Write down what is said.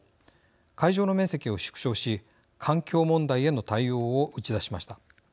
会場の面積を縮小し環境問題への対応を打ち出しました。